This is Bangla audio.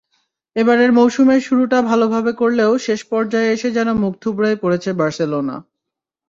এবারের মৌসুমের শুরুটা ভালোভাবে করলেও শেষপর্যায়ে এসে যেন মুখ থুবড়েই পড়েছে বার্সেলোনা।